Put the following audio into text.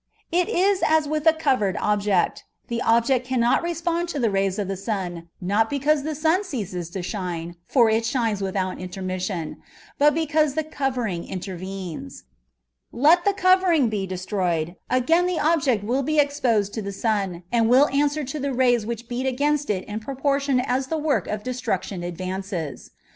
It is as with a covered object. The object can not respond to the rays of the sun, not because the sun ceases to shine, — for it shines without intermis sion, — but because the covering intervenes. Let the * See Appendiz B. 4: A TREATISB ON PURQATORY. covoring be destroyed, again the object will be ex posed to the smi, and will answer to the rays which beat against it in proportion as the work of destruc tion advances.